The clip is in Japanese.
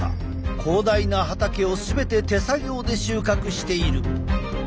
広大な畑を全て手作業で収穫している。